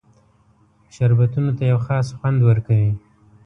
شربتونو ته یو خاص خوند ورکوي.